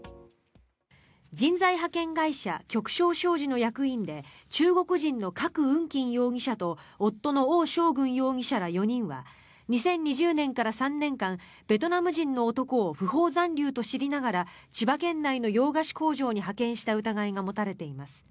人材派遣会社旭昇商事の役員で中国人のカク・ウンキン容疑者と夫のオウ・ショウグン容疑者ら４人は２０２０年から３年間ベトナム人の男を不法残留と知りながら千葉県内の洋菓子工場に派遣した疑いが持たれています。